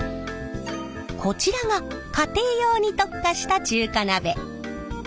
こちらが家庭用に特化した中華鍋。